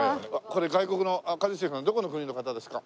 これ外国の一茂さんどこの国の方ですか？